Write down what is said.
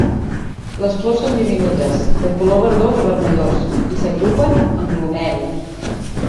Les flors són diminutes, de color verdós o vermellós, i s'agrupen en glomèruls.